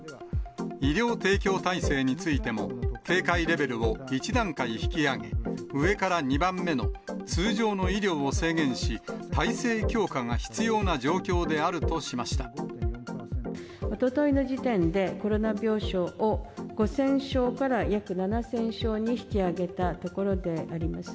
医療提供体制についても、警戒レベルを１段階引き上げ、上から２番目の通常の医療を制限し、体制強化が必要な状況であるおとといの時点で、コロナ病床を５０００床から約７０００床に引き上げたところであります。